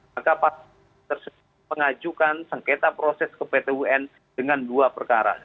maka partai tersebut mengajukan sengketa proses ke pt un dengan dua perkara